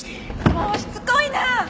もうしつこいな！